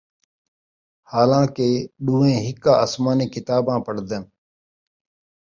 حالانکہ ݙوہیں ہِکا آسمانی کتاب پڑھدن،